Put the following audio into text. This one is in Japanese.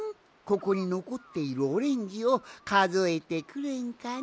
ここにのこっているオレンジをかぞえてくれんかの？